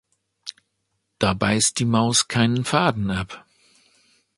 Da beißt die Maus keinen Faden ab.